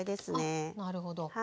あなるほど。